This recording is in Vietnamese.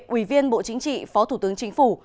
ủy viên bộ chính trị phó thủ tướng chính phủ